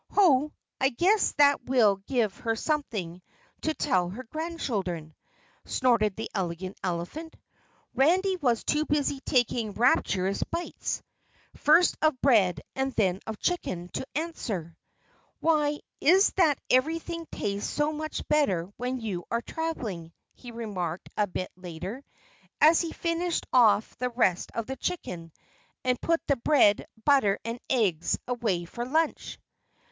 "Ho, I guess that will give her something to tell her grandchildren!" snorted the Elegant Elephant. Randy was too busy taking rapturous bites, first of bread and then of chicken, to answer. "Why is it that everything tastes so much better when you are traveling?" he remarked a bit later, as he finished off the rest of the chicken and put the bread, butter and eggs away for his lunch.